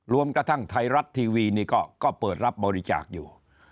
รวมกระทั่งไทยรัฐทีวีนี่ก็เปิดรับบริจาคอยู่